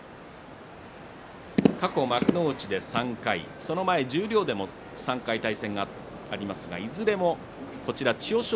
過去幕内で３回その前、十両でも３回対戦があっていずれも千代翔